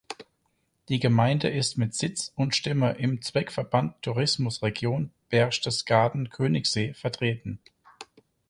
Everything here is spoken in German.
Die Gemeinde ist mit Sitz und Stimme im Zweckverband Tourismusregion Berchtesgaden-Königssee vertreten.